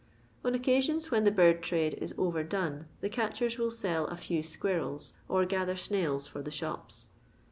On occasions when the bird trade is overdone^ the catchen will sell a few squirrels, or gather snails for the shops.